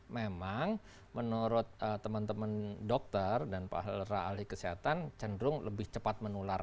memang menurut teman teman dokter dan pak helera ahli kesehatan cenderung lebih cepat menular